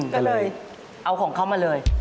ก็เลยเอาของเขามาเลย